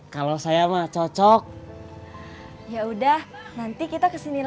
kalau lebih ada konsumen prince bye my miss